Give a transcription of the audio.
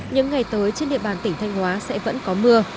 những ngày tới trên địa bàn tỉnh thanh hóa sẽ vẫn có mưa